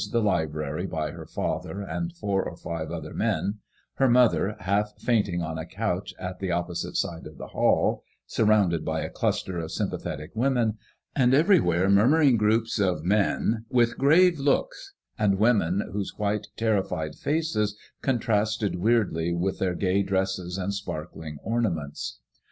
157 the library by her father and four or five other men ; her mother, half fainting, on a couch at the opposite side of the hall, surrounded by a cluster of sym pathetic women; and everywhere, murmuring groups of men, with grave looks, and women, whose white, terrified faces contrasted weirdly with their gay dresses and sparkling ornaments.